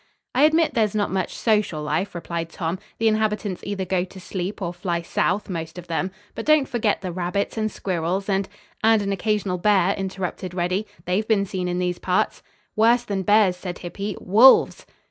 "I admit there's not much social life," replied Tom. "The inhabitants either go to sleep or fly south, most of them. But don't forget the rabbits and squirrels and " "And an occasional bear," interrupted Reddy. "They have been seen in these parts." "Worse than bears," said Hippy. "Wolves!"